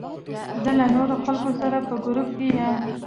زه له نورو خلکو سره په ګروپ کې یم.